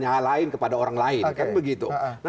hal lain kepada orang lain